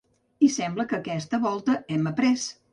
I sembla que aquesta volta hem aprés.